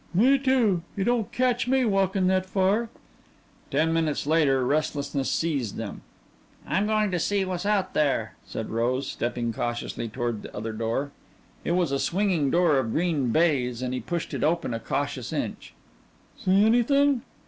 "Me too. You don't catch me walkin' that far." Ten minutes later restlessness seized them. "I'm goin' to see what's out here," said Rose, stepping cautiously toward the other door. It was a swinging door of green baize and he pushed it open a cautious inch. "See anything?"